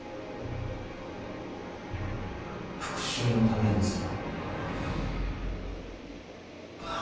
復讐のためですよ。